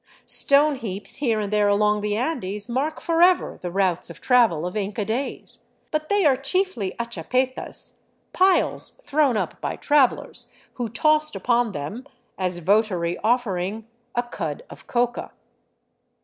Stone heaps here and there along the Andes mark forever the routes of travel of Inca days, but they are chiefly achapetas, piles thrown up by travelers, who tossed upon them, as votary offering, a cud of coca.